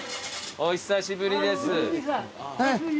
お久しぶりです。